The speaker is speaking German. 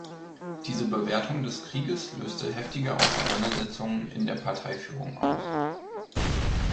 Diese Bewertung des Krieges löste heftige Auseinandersetzungen in der Parteiführung aus.